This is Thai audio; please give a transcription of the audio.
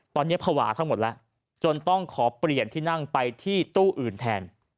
ตอนนี้ภาวะทั้งหมดแล้วจนต้องขอเปลี่ยนที่นั่งไปที่ตู้อื่นแทน